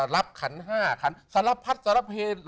รับขันห้าสารพัฒน์สารพเผย์